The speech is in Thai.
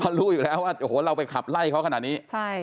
รู้อยู่แล้วว่าโอ้โหเราไปขับไล่เขาขนาดนี้